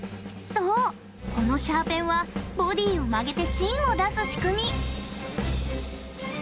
そうこのシャーペンはボディを曲げて芯を出す仕組み！